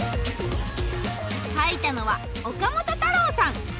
かいたのは岡本太郎さん！